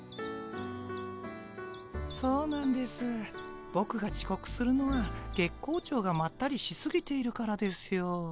そうなんですボクがちこくするのは月光町がまったりしすぎているからですよ。